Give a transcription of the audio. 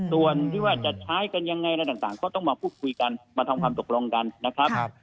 ส่วนที่ว่าจะใช้กันยังไงอะไรต่างก็ต้องมาพูดคุยกันมาทำความตกลงกันนะครับ